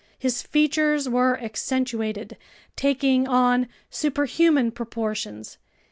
His features were accentuated, taking on superhuman proportions.